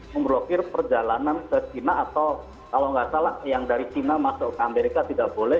memblokir perjalanan ke china atau kalau nggak salah yang dari china masuk ke amerika tidak boleh